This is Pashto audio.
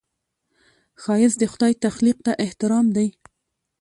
ښایست د خدای تخلیق ته احترام دی